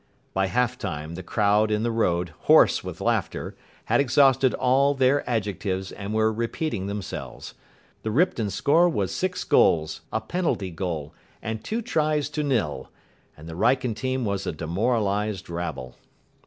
By half time the crowd in the road, hoarse with laughter, had exhausted all their adjectives and were repeating themselves. The Ripton score was six goals, a penalty goal, and two tries to nil, and the Wrykyn team was a demoralised rabble.